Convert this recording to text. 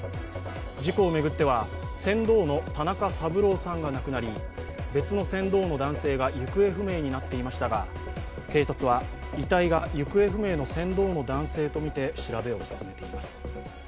事故を巡っては船頭の田中三郎さんが亡くなり別の船頭の男性が行方不明になっていましたが、警察は、遺体が行方不明の船頭の男性とみて、調べを進めています。